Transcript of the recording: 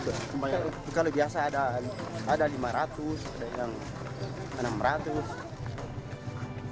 kalau biasa ada lima ratus ada yang enam ratus